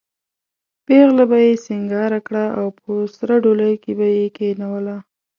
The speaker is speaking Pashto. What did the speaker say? پېغله به یې سینګاره کړه او په سره ډولۍ کې به یې کېنوله.